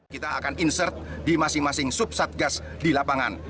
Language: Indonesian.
kita akan insert di masing masing sub satgas di lapangan